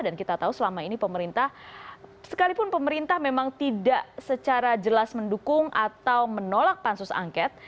dan kita tahu selama ini pemerintah sekalipun pemerintah memang tidak secara jelas mendukung atau menolak pansus angket